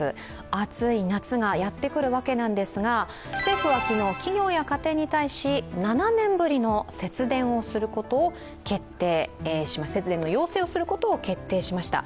暑い夏がやってくるわけなんですが、政府は昨日、企業や家庭に対し７年ぶりの節電の要請をすることを決定しました。